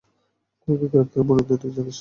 গুরুকে গ্রেফতারের পরিণতি তুই জানিস না।